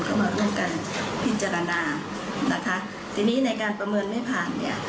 มาร่วมกันพิจารณานะคะทีนี้ในการประเมินไม่ผ่านเนี่ย